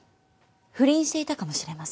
不倫していたかもしれません。